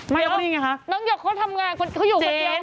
ไงคะน้องหยกเขาทำงานเขาอยู่คนเดียว